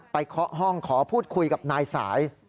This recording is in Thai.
เคาะห้องขอพูดคุยกับนายสาย